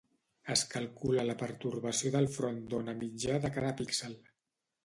Es calcula la pertorbació del front d'ona mitjà de cada píxel.